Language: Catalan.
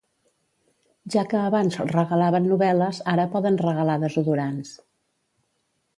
Ja que abans regalaven novel·les, ara poden regalar desodorants.